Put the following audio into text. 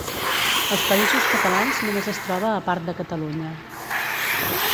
Als Països Catalans només es troba a part de Catalunya.